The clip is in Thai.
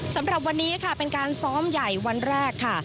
สำหรับวันนี้ค่ะเป็นการซ้อมใหญ่วันแรกค่ะ